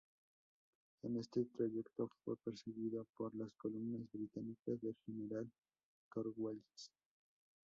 En este trayecto fue perseguido por las columnas británicas del general Cornwallis.